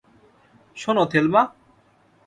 শোনো, থেলমা?